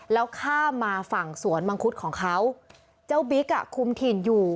แล้วข้ามมาฝั่งสวนมังคุดของเขาเจ้าบิ๊กอ่ะคุมถิ่นอยู่